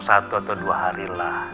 satu atau dua hari lah